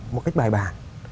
một cách bài bản